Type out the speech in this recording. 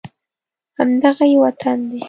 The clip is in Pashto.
همدغه یې وطن دی